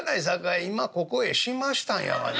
今ここへしましたんやがな』